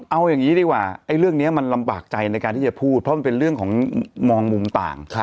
เอาอย่างนี้ดีกว่าเรื่องนี้มันลำบากใจในการที่จะพูดเพราะมันเป็นเรื่องของมองมุมต่าง